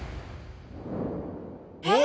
えっ！